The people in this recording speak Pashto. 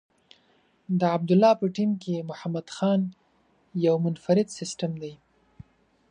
د عبدالله په ټیم کې محمد خان یو منفرد سیسټم دی.